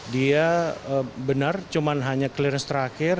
dia benar cuma hanya clearance terakhir